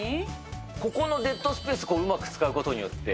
ここのデッドスペースをうまく使うことによって。